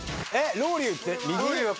ロウリュって右？